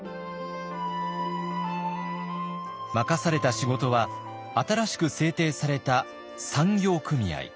任された仕事は新しく制定された産業組合。